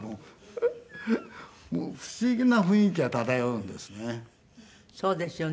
不思議な雰囲気が漂うんですね。